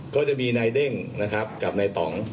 ก็จะมีนายเด้งนะครับกับนายต่อง